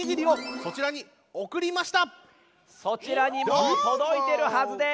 そちらにもうとどいてるはずです！